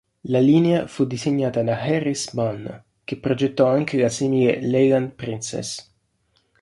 La linea fu disegnata da Harris Mann, che progettò anche la simile Leyland Princess.